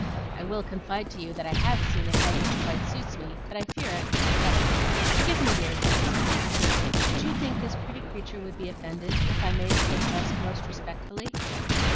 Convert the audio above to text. I will confide to you that I HAVE seen a head which quite suits me; but I fear I cannot get it. Give me your advice, please. Should you think this pretty creature would be offended, if I made the request most respectfully?"